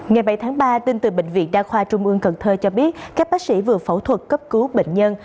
ngày bảy tháng ba tin từ bệnh viện đa khoa trung ương cần thơ cho biết các bác sĩ vừa phẫu thuật cấp cứu bệnh nhân